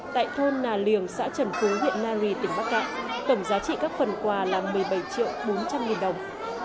tại thôn nà liềng xã trần phú huyện nari tỉnh bắc cạn tổng giá trị các phần quà là một mươi bảy triệu bốn trăm linh nghìn đồng